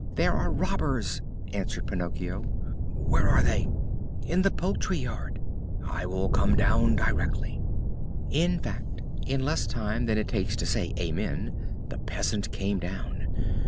"There are robbers!" answered Pinocchio. "Where are they?" "In the poultry yard." "I will come down directly." In fact, in less time than it takes to say "Amen!" the peasant came down.